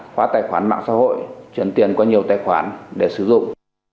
khóa tài khoản mạng xã hội chuyển tiền qua nhiều tài khoản để sử dụng